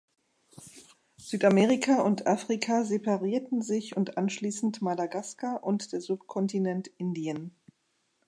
Südamerika und Afrika separierten sich und anschließend Madagaskar und der Subkontinent Indien.